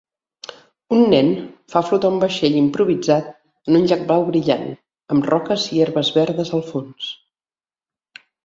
Un nen fa flotar un vaixell improvisat en un llac blau brillant amb roques i herbes verdes al fons